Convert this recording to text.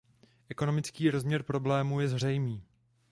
Ekonomický rozměr problému je zřejmý.